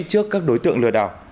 trước các đối tượng lừa đảo